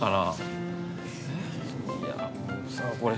いやあのさこれ。